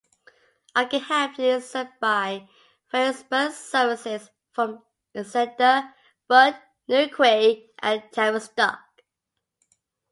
Okehampton is served by various bus services from Exeter, Bude, Newquay and Tavistock.